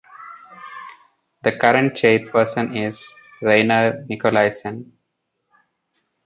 The current chairperson is Rainer Nicolaysen.